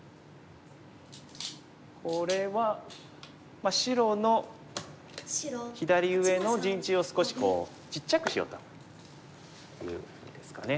これは白の左上の陣地を少しちっちゃくしようというんですかね。